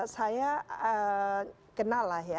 saya kenal lah ya